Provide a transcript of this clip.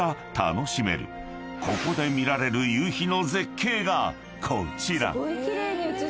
［ここで見られる夕陽の絶景がこちら］